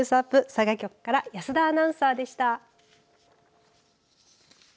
佐賀局から保田アナウンサーでした。